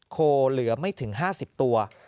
โคเหลือไม่ถึง๕๐ตัว